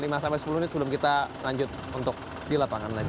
lima sampai sepuluh menit sebelum kita lanjut untuk di lapangan lagi